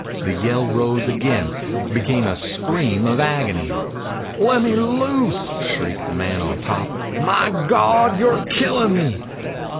The yell rose again, became a scream of agony. "Lemme loose!" shrieked the man on top. "My Gawd, you're killin' me!"